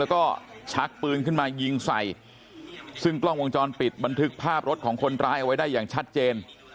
แล้วก็ชักปืนขึ้นมายิงใส่ซึ่งกล้องวงจรปิดบันทึกภาพรถของคนร้ายเอาไว้ได้อย่างชัดเจน